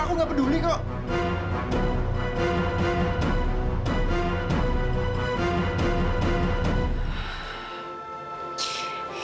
aku nggak peduli kok